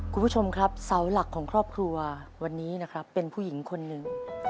คุณผู้ชมครับเสาหลักของครอบครัววันนี้นะครับเป็นผู้หญิงคนหนึ่ง